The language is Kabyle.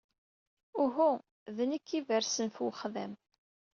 Uhu d nec iberrsen f wexdam.